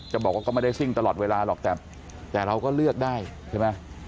บอกว่าก็ไม่ได้ซิ่งตลอดเวลาหรอกแต่เราก็เลือกได้ใช่ไหม